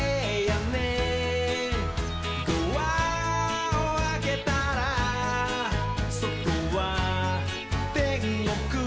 「ドアをあけたらそとはてんごく」